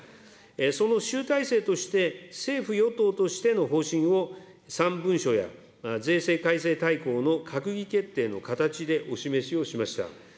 その集大成として、政府・与党としての方針を３文書や税制改正大綱の閣議決定の形でお示しをしました。